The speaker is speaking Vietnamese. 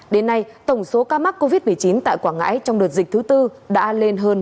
đến nay tổng số ca mắc covid một mươi chín tại quảng ngãi trong đợt dịch thứ bốn đã lên hơn một hai trăm linh ca